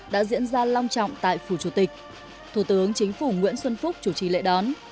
đã diễn ra long trọng tại phủ chủ tịch thủ tướng chính phủ nguyễn xuân phúc chủ trì lễ đón